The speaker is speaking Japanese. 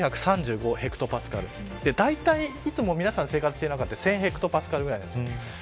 ヘクトパスカルだいたい、いつも皆さん生活している中って１０００ヘクトパスカルぐらいです。